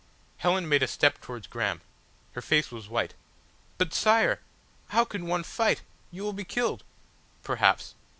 Helen made a step towards Graham. Her face was white. "But, Sire! How can one fight? You will be killed." "Perhaps.